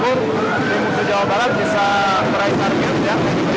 tim jawa barat bisa meraih targetnya